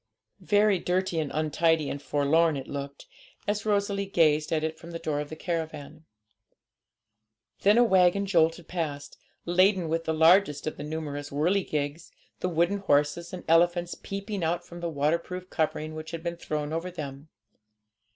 Very dirty and untidy and forlorn it looked, as Rosalie gazed at it from the door of the caravan. Then a waggon jolted past, laden with the largest of the numerous whirligigs, the wooden horses and elephants peeping out from the waterproof covering which had been thrown over them.